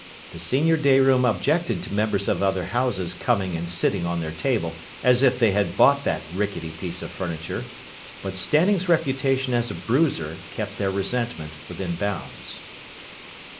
The senior day room objected to members of other houses coming and sitting on their table as if they had bought that rickety piece of furniture; but Stanning's reputation as a bruiser kept their resentment within bounds.